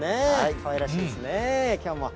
かわいらしいですね、きょうも。